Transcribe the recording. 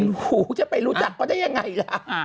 โอ้โหจะไปรู้จักเขาได้ยังไงล่ะ